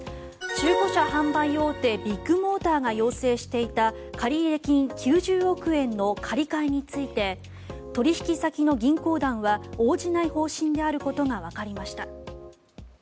中古車販売大手ビッグモーターが要請していた借入金９０億円の借り換えについて取引先の銀行団は応じない方針であることがわかりました。